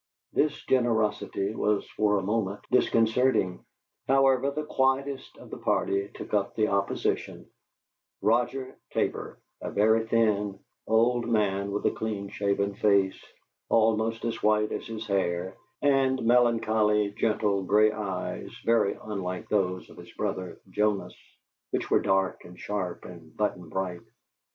This generosity was for a moment disconcerting; however, the quietest of the party took up the opposition Roger Tabor, a very thin, old man with a clean shaven face, almost as white as his hair, and melancholy, gentle, gray eyes, very unlike those of his brother Jonas, which were dark and sharp and button bright.